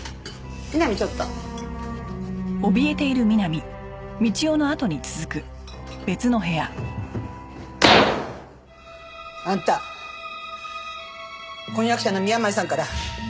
美波ちょっと。あんた婚約者の宮前さんから電話があったよ。